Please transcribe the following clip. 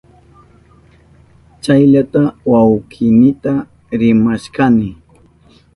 Chayllata wawkiynita rimashkani.